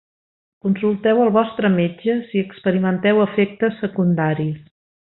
Consulteu el vostre metge si experimenteu efectes secundaris.